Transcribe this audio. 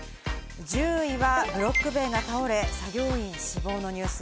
１０位はブロック塀が倒れ、作業員死亡のニュース。